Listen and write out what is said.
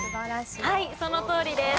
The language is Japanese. はいそのとおりです。